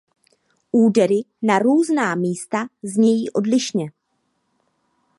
Údery na různá místa znějí odlišně.